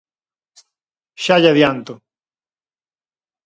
Xa lle adianto.